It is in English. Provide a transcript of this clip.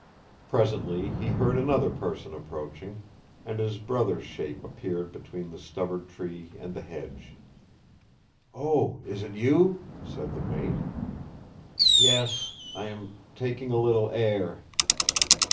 Presently he heard another person approaching, and his brother's shape appeared between the stubbard tree and the hedge. 'O, is it you?' said the mate. 'Yes. I am taking a little air.'